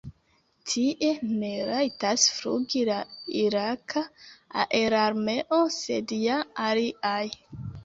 Tie ne rajtas flugi la iraka aerarmeo, sed ja aliaj.